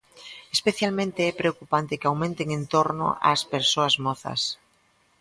Especialmente é preocupante que aumenten en torno ás persoas mozas.